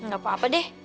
gak apa apa deh